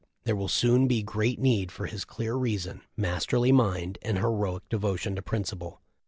There will soon be great need for his clear reason, masterly mind and heroic devotion to principle.